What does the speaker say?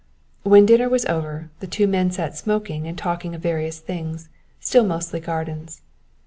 When dinner was over, the two men sat smoking and talking of various things, still mostly gardens.